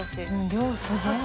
量すごい。